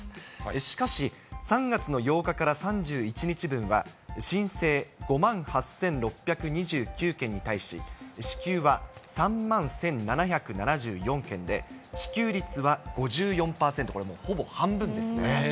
しかし、３月の８日から３１日分は、申請５万８６２９件に対し、支給は３万１７７４件で、支給率は５４％、これ、もうほぼ半分ですね。